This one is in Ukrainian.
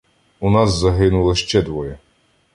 У нас загинуло ще двоє.